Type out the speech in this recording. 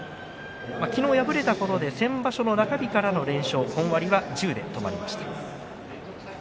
昨日、敗れたことで先場所の中日からの連勝本割は、１０で止まりました。